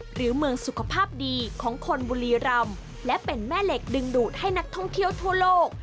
หรือเมืองสุขภาพดีของคนบุรีรำและเป็นแม่เหล็กดึงดูดให้นักท่องเที่ยวทั่วโลก